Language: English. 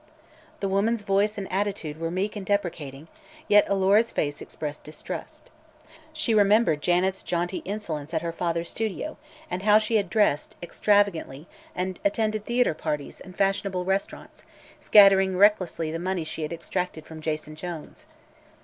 The woman's voice and attitude were meek and deprecating, yet Alora's face expressed distrust. She remembered Janet's jaunty insolence at her father's studio and how she had dressed, extravagantly and attended theatre parties and fashionable restaurants, scattering recklessly the money she had exacted from Jason Jones.